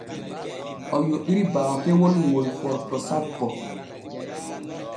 O yoɓiri baafewol ŋol Forto sappo.